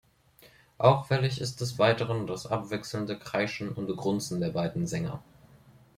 Auffällig ist des Weiteren das abwechselnde Kreischen und Grunzen der beiden Sänger.